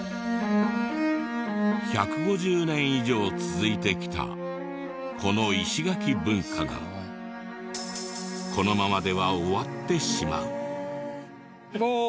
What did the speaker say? １５０年以上続いてきたこの石垣文化がこのままでは終わってしまう。